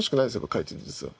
描いてて実は。